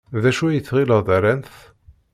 D acu ay tɣiled ran-t?